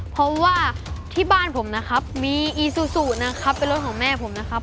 เพราะว่าที่บ้านผมมีอีซูซูเป็นรถของแม่ของผม